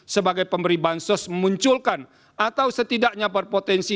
sebagai pemberi bansos memunculkan atau setidaknya berpotensi